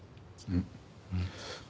うん。